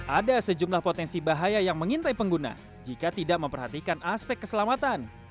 ada sejumlah potensi bahaya yang mengintai pengguna jika tidak memperhatikan aspek keselamatan